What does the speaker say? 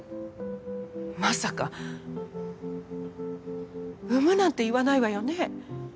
まさか産むなんて言わないわよね？